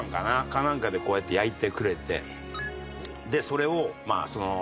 かなんかでこうやって焼いてくれてでそれをまあしょうゆ。